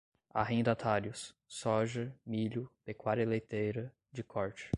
arrendatários, soja, milho, pecuária leiteira, de corte